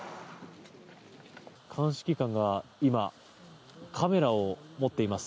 鑑識官が今、カメラを持っています。